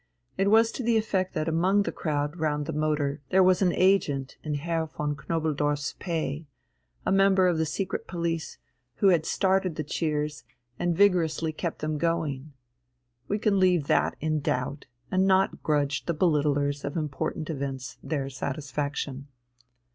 It was to the effect that among the crowd round the motor there was an agent in Herr von Knobelsdorff's pay, a member of the secret police, who had started the cheers and vigorously kept them going. We can leave that in doubt, and not grudge the belittlers of important events their satisfaction.